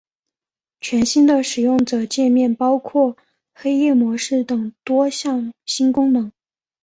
全新的使用者界面包括黑夜模式等多项新功能。